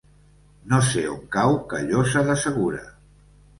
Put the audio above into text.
No sé on cau Callosa de Segura.